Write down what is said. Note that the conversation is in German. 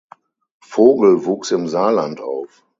Vogel wuchs im Saarland auf.